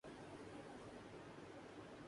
دل کی دھڑکنیں تھم گئیں۔